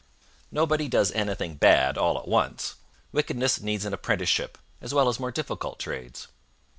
Nobody does anything bad all at once. Wickedness needs an apprenticeship as well as more difficult trades.